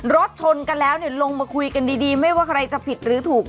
รถชนกันแล้วลงมาคุยกันดีไม่ว่าใครจะผิดหรือถูก